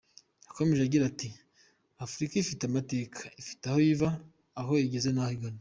Yakomeje agira ati “Afurika ifite amateka, ifite aho iva, aho igeze n’aho igana.